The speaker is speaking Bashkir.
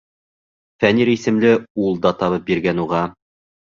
Фәнир исемле ул да табып биргән уға.